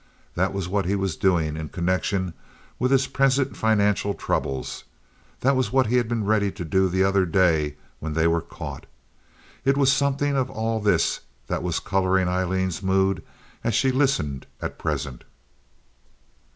That was what he was doing in connection with his present financial troubles; that was what he had been ready to do the other day when they were caught. It was something of all this that was coloring Aileen's mood as she listened at present.